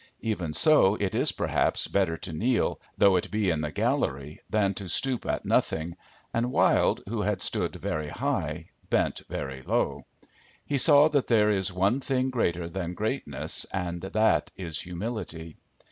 Even so, it is perhaps better to kneel, though it be in the gallery, than to stoop at nothing, and Wilde, who had stood very high, bent very low. He saw that there is one thing greater than greatness and that is humility.